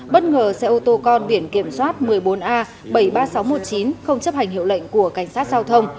bất ngờ xe ô tô con biển kiểm soát một mươi bốn a bảy mươi ba nghìn sáu trăm một mươi chín không chấp hành hiệu lệnh của cảnh sát giao thông